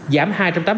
dạng tài xế